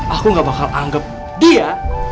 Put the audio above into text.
aku gak bakal anggap dia